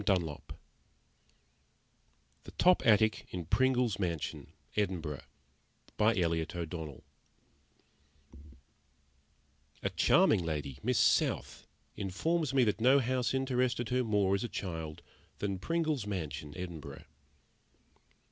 CASE II THE TOP ATTIC IN PRINGLE'S MANSION, EDINBURGH A charming lady, Miss South, informs me that no house interested her more, as a child, than Pringle's Mansion, Edinburgh.